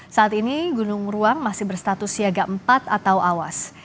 saat ini gunung ruang masih berstatus siaga empat atau awas